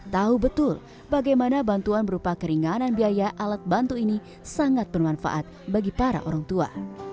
tahu betul bagaimana bantuan berupa keringanan biaya alat bantu ini sangat bermanfaat bagi para orang tua